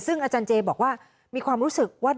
ซึ่งอาจารย์เจบอกว่ามีความรู้สึกว่า